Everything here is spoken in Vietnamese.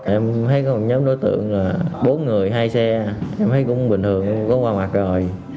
em thấy có một nhóm đối tượng là bốn người hai xe em thấy cũng bình thường có qua mặt rồi